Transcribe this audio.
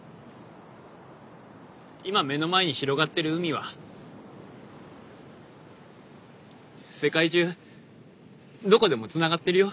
今目の前に広がってる海は世界中どこでもつながってるよ。